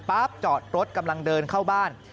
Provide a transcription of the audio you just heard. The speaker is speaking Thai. จอดรถกำลังเดินเข้าบ้าน